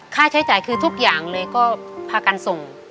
ค่าใช้จ่ายคือทุกอย่างเลยก็พากันส่ง